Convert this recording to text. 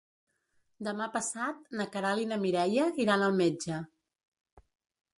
Demà passat na Queralt i na Mireia iran al metge.